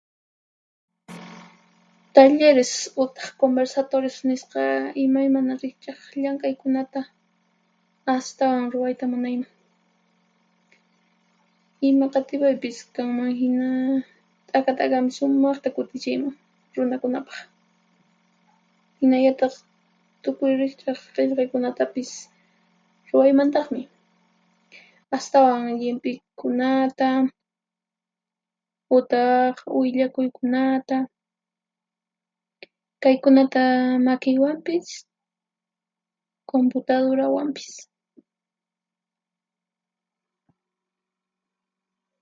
Talleres utaq Conversatorios nisqa imaymana riqch'aq llank'aykunata astawan ruwayta munayman. Ima qatipaypis kanmanhina, t'aka t'akanpi sumaqta kutichiyman runakunapaq. Hinallataq tukuy riqch'aq qillqaykunatapis ruwaymantaqmi, astawan llimphikunata utaq willakuykunata: kaykunata makiywanpis, cumputadurawanpis.